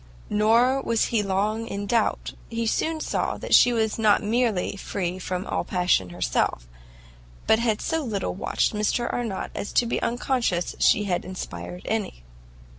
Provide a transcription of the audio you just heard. Nor was he here long in doubt; he soon saw that she was not merely free from all passion herself, but had so little watched Mr Arnott as to be unconscious she had inspired any.